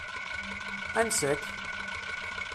Ansa-k?